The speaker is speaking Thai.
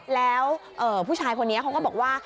แล้วผู้ชายคนนี้เขาก็บอกว่า